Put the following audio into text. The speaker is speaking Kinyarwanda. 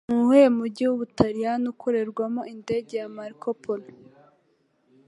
Nuwuhe mujyi wUbutaliyani ukorerwamo indege ya Marco Polo?